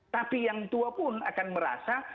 tapi yang tua pun akan merasa